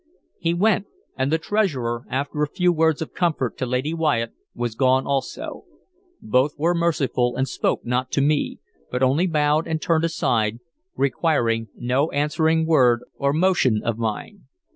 He went, and the Treasurer, after a few words of comfort to Lady Wyatt, was gone also. Both were merciful, and spoke not to me, but only bowed and turned aside, requiring no answering word or motion of mine.